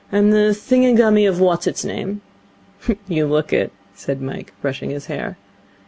I am the thingummy of what's its name.' 'You look it,' said Mike, brushing his hair.